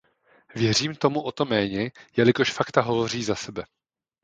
Věřím tomu o to méně, jelikož fakta hovoří za sebe.